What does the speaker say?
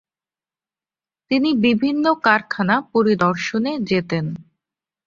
তিনি বিভিন্ন কারখানা পরিদর্শনে যেতেন।